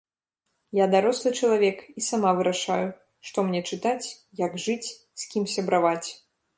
Я дарослы чалавек, і сама вырашаю, што мне чытаць, як жыць, з кім сябраваць.